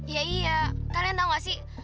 iya iya kalian tau gak sih